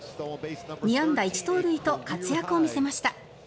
２安打１盗塁と活躍を見せました。